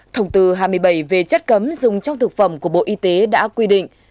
thông tư hai mươi bảy về chất cấm dùng trong thực phẩm của bộ y tế đã quy định